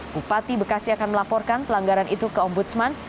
bupati bekasi akan melaporkan pelanggaran itu ke ombudsman